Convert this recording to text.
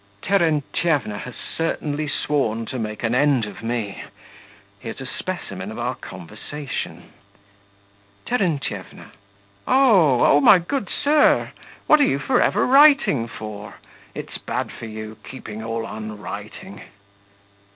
Terentyevna has certainly sworn to make an end of me. Here's a specimen of our conversation: TERENTYEVNA. Oh oh, my good sir! what are you for ever writing for? it's bad for you, keeping all on writing.